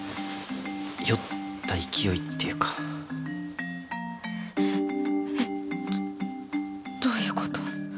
酔った勢いっていうかえっどどういうこと？